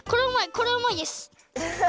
これおもいです。